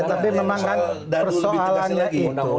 tapi memang kan persoalannya itu